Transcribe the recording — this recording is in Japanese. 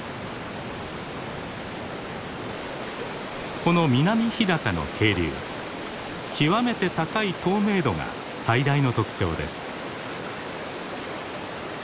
この南日高の渓流極めて高い透明度が最大の特徴です。